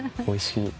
おいしい。